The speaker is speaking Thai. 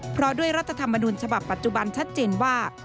เพราะด้วยรัฐธรรมนุนฉบับปัจจุบันชัดเจนว่า